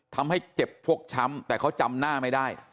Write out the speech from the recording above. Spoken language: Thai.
ทำให้เจ็บฟกช้ำแต่เขาจำหน้าไม่ได้